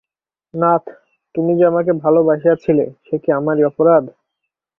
নাথ, তুমি যে আমাকে ভালোবাসিয়াছিলে, সে কি আমারই অপরাধ।